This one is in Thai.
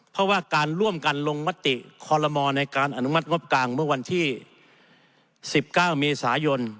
เพราะว่าการร่วมกันลงมติคอลโลมอลในการอนุมัติงบกลางเมื่อวันที่๑๙เมษายน